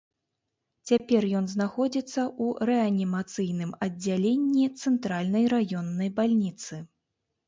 Цяпер ён знаходзіцца ў рэанімацыйным аддзяленні цэнтральнай раённай бальніцы.